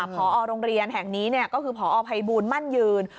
พอโรงเรียนแห่งนี้ก็คือพอภัยบูลมั่นยืน